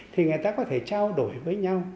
thì người ta có thể trao đổi với nhau